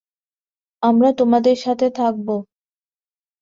আমরা তোমাদের সাথে থাকবো।